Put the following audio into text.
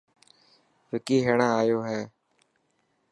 وڪي هيڻان آيو هي.